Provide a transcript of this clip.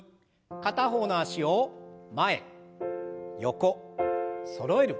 片方の脚を前横そろえる。